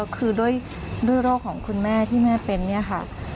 คือด้วยโรคของคุณแม่ที่แม่เป็นเนี่ยค่ะ